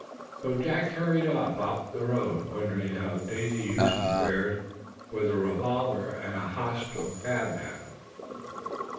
So Jack hurried off up the road, wondering how Daisy Huston fared with a revolver and a hostile cabman.